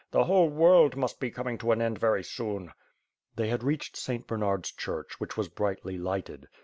"The whole world must be coming to an end very soon." They had reached St. Bernard's church, which was brightly lighted.